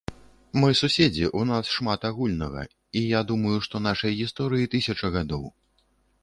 Мы суседзі, у нас шмат агульнага, і я думаю, што нашай гісторыі тысяча гадоў.